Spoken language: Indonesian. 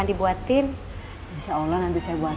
ini bubur kacang ijo yang paling enak yang pernah saya coba